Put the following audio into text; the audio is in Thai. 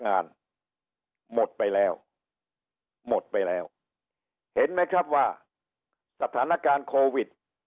งานหมดไปแล้วหมดไปแล้วเห็นไหมครับว่าสถานการณ์โควิด